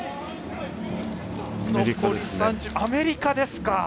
アメリカですか。